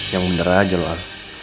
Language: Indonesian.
ya mau bener aja loh al